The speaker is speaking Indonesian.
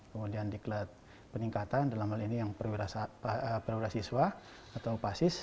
kemudian diklat peningkatan dalam hal ini yang perwira siswa atau pasis